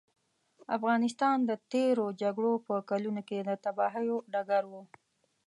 افغانستان د تېرو جګړو په کلونو کې د تباهیو ډګر و.